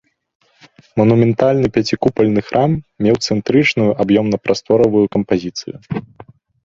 Манументальны пяцікупальны храм меў цэнтрычную аб'ёмна-прасторавую кампазіцыю.